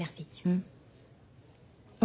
うん。